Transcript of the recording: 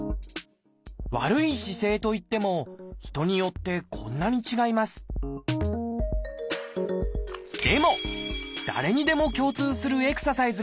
悪い姿勢といっても人によってこんなに違いますでも誰にでも共通するエクササイズがあるんです。